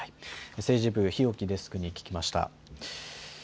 政治部、日置デスクに聞きました。